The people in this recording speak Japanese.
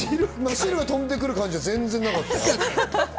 汁が飛んでくる感じは全然なかったよ。